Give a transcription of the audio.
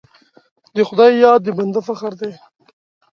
د خدای یاد د بنده فخر دی.